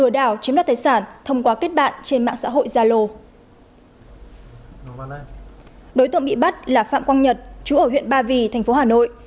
đối tượng bị bắt là phạm quang nhật chú ở huyện ba vì thành phố hà nội